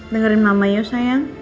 dengerin mama yuk sayang